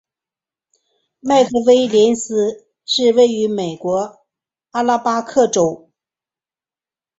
麦克威廉斯是位于美国阿拉巴马州威尔科克斯县的一个非建制地区。